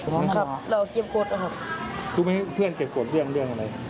เผื่อนรอครับคือควรครับเพื่อนเก็บโขทเรื่องอะไร